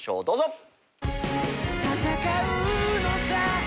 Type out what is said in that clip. どうぞ。